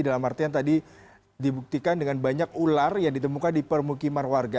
dalam artian tadi dibuktikan dengan banyak ular yang ditemukan di permukiman warga